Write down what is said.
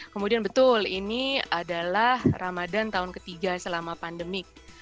kemudian betul ini adalah ramadan tahun ketiga selama pandemik